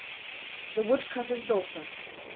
THE WOODCUTTER'S DAUGHTER.